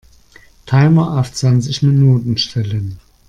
Timer auf zwanzig Minuten stellen.